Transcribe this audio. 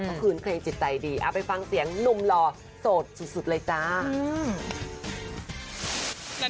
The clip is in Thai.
ก็คือเพลงจิตใจดีเอาไปฟังเสียงหนุ่มหล่อโสดสุดเลยจ้า